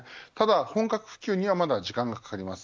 本格普及にはまだ時間がかかります。